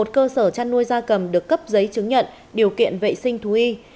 một cơ sở chăn nuôi da cầm được cấp giấy chứng nhận điều kiện vệ sinh thú y